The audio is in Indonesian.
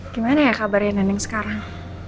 gimana ya kabarnya neneng sekarang